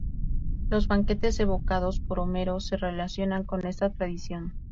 Los banquetes evocados por Homero se relacionan con esta tradición.